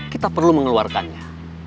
kita perlu mengeluarkannya